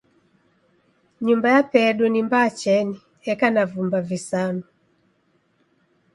Nyumba yapedu ni mbaa cheni, eka na vumba visanu.